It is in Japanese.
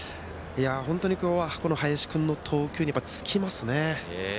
本当に林君の投球につきますね。